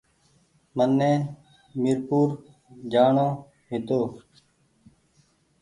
مني ميرپور جآڻو هيتو